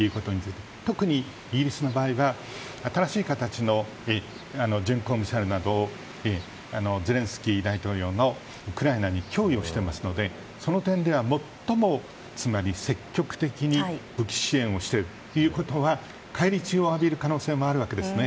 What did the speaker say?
特にイギリスの場合は新しい形の巡航ミサイルなどをゼレンスキー大統領のウクライナに供与していますのでその点では最もつまり積極的に武器支援をしているということは返り血を浴びる可能性もあるわけですね。